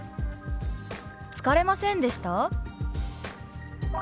「疲れませんでした？」。